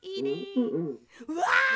うわ！